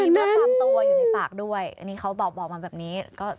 มีเนื้อความตัวอยู่ในปากด้วยอันนี้เขาบอกมาแบบนี้